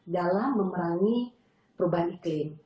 dalam memerangi perubahan iklim